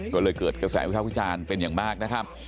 ก็เลยเกิดกระแสวิภาพวิจารณ์เป็นอย่างมากนะครับ